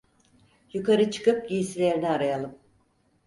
Yukarı çıkıp giysilerini arayalım!